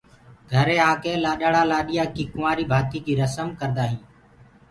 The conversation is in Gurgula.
گھري آ ڪي لآڏآݪآ لآڏيآ ڪي ڪُنٚوآري ڀآتي ڪي رسم ڪردآ هينٚ۔